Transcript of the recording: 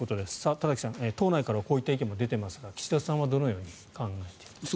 田崎さん、党内からはこういった意見が出ていますが岸田さんはどのように考えていると。